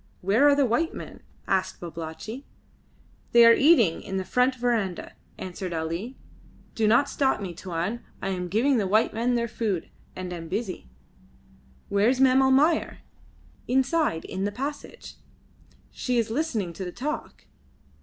"Where are the white men?" asked Babalatchi. "They are eating in the front verandah," answered Ali. "Do not stop me, Tuan. I am giving the white men their food and am busy." "Where's Mem Almayer?" "Inside in the passage. She is listening to the talk."